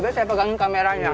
biar saya pegangin kameranya